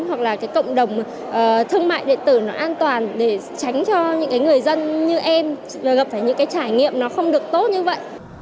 hoặc là cộng đồng thương mại điện tử an toàn để tránh cho những người dân như em gặp phải những trải nghiệm không được tốt như vậy